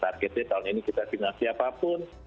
targetnya tahun ini kita final siapapun